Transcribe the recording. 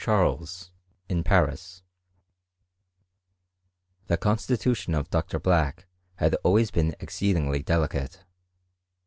Charles, in Paris. The constitution of Dr. Black had always been ex ceedingly delicate.